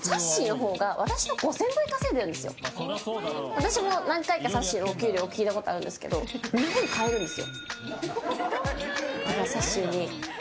私も何回かさっしーのお給料聞いたことあるんですけど日本買えるんですよ。